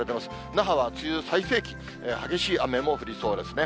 那覇は梅雨最盛期、激しい雨も降りそうですね。